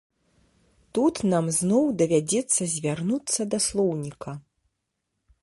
Тут нам зноў давядзецца звярнуцца да слоўніка.